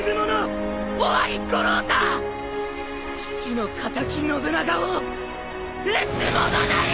父の敵信長を討つ者なり！